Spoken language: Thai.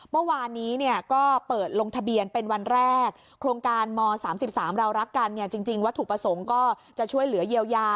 เมื่อวานนี้ก็เปิดลงทะเบียนเป็นวันแรกโครงการม๓๓เรารักกันจริงวัตถุประสงค์ก็จะช่วยเหลือเยียวยา